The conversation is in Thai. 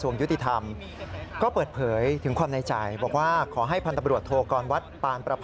ส่วนตัวไม่ได้ติดใจอะไรนะครับแต่อยากให้คนทำผิดรับสาภาพ